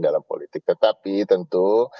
dalam politik tetapi tentu